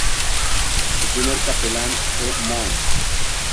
Su primer capellán fue Mons.